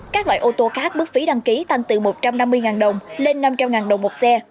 các loại ô tô khác mức phí đăng ký tăng từ một trăm năm mươi đồng lên năm trăm linh đồng một xe